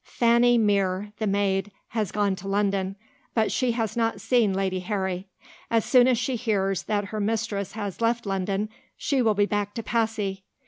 Fanny Mere, the maid, has gone to London; but she has not seen Lady Harry. As soon as she hears that her mistress has left London she will be back to Passy.